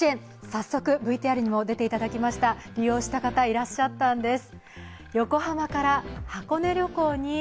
早速、ＶＴＲにも出ていただきました、利用した方いらっしゃったんです。